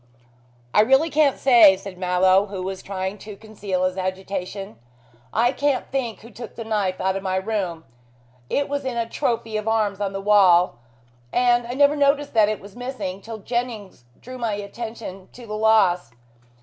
"I really can't say," said Mallow, who was trying to conceal his agitation. "I can't think who took the knife out of my room. It was in a trophy of arms on the wall, and I never noticed that it was missing, till Jennings drew my attention to the loss.